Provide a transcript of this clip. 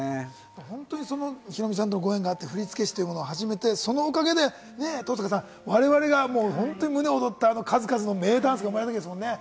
本当にヒロミさんとご縁があって、振付師というものを始めて、そのおかげでね、登坂さん、我々が本当に胸躍った数々の名ダンスが生まれるわけですもんね。